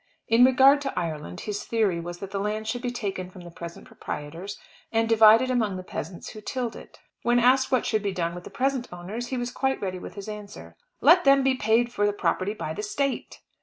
In regard to Ireland his theory was that the land should be taken from the present proprietors, and divided among the peasants who tilled it. When asked what should be done with the present owners, he was quite ready with his answer: "Let them be paid for the property by the State!"